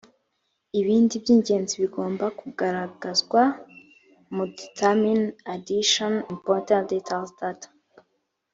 ibindi by ingenzi bigomba kugaragazwa mu determine additional important details that